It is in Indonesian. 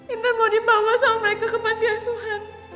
intan mau dibawa sama mereka ke panti asuhan